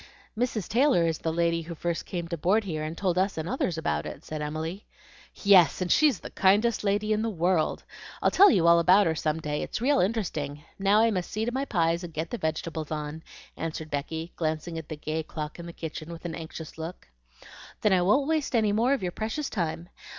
"Mrs. Taylor is the lady who first came to board here, and told us and others about it," said Emily. "Yes, and she's the kindest lady in the world! I'll tell you all about her some day, it's real interesting; now I must see to my pies, and get the vegetables on," answered Becky, glancing at the gay clock in the kitchen with an anxious look. "Then I won't waste any more of your precious time.